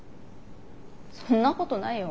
そんなことないよ。